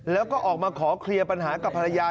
แล้วก็ออกมาขอเคลียร์ปัญหากับภรรยา